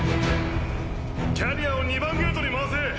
キャリアを２番ゲートに回せ。